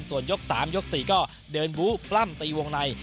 ส่วนยก๓ยก๔ก็เดินบู้ปล้ำตีวงใน